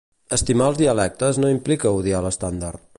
Estimar els dialectes no implica odiar l'estàndard.